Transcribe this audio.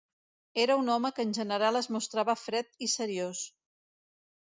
Era un home que en general es mostrava fred i seriós.